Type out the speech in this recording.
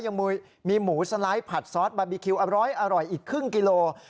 ยังมีหมูสไลด์ผัดซอสบาร์บีคิวอร้อยอีกครึ่งกิโล